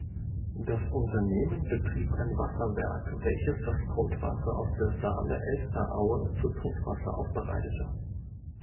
Das Unternehmen betrieb ein Wasserwerk welches das Grundwasser aus der Saale-Elster-Aue zu Trinkwasser aufbereitete.